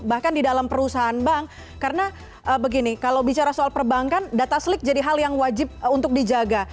bahkan di dalam perusahaan bank karena begini kalau bicara soal perbankan data slik jadi hal yang wajib untuk dijaga